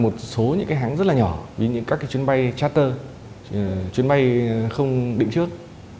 một số những cái hãng rất là nhỏ với những các cái chuyến bay charter chuyến bay không định trước